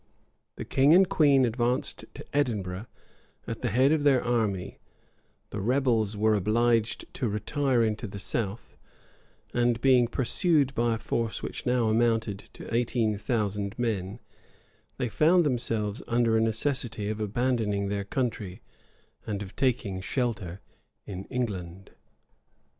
[*] The king and queen advanced to Edinburgh at the head of their army: the rebels were obliged to retire into the south; and being pursued by a force which now amounted to eighteen thousand men,[] they found themselves under a necessity of abandoning their country, and of taking shelter in England.